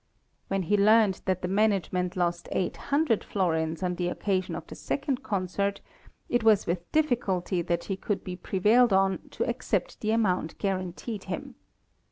When he learned that the management lost eight hundred florins on the occasion of the second concert, it was with difficulty that he could be prevailed on to accept the amount guaranteed him.